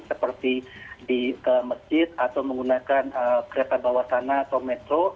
seperti di masjid atau menggunakan kereta bawah sana atau metro